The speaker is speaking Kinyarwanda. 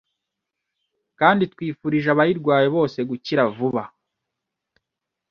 kandi twifurije abayirwaye bose gukira vuba